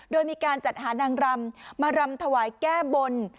โดยมีการจัดหานางรำมารำถวายแก้บน